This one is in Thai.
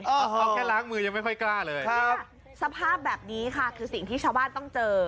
เอาแค่ล้างมือยังไม่ค่อยกล้าเลยครับสภาพแบบนี้ค่ะคือสิ่งที่ชาวบ้านต้องเจอ